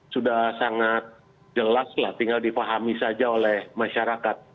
sudah sangat jelas lah tinggal difahami saja oleh masyarakat